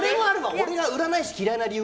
俺が占い師嫌いな理由